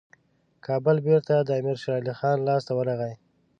کابل بیرته د امیر شېرعلي خان لاسته ورغی.